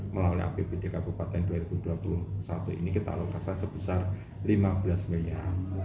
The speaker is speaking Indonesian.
melalui apbd kabupaten dua ribu dua puluh satu ini kita alokasi sebesar lima belas miliar